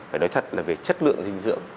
phải nói thật là về chất lượng dinh dưỡng